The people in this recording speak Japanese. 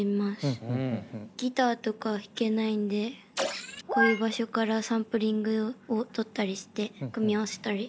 ギターとか弾けないんでこういう場所からサンプリングをとったりして組み合わせたり。